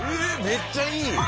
めっちゃいい！